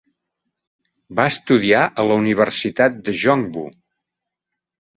Va estudiar a la Universitat de Joongbu.